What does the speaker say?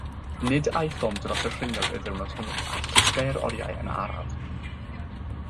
Nid aethom dros y rhiniog y diwrnod hwnnw, a llusgai yr oriau yn araf.